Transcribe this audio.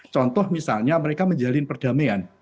contoh misalnya mereka menjalin perdamaian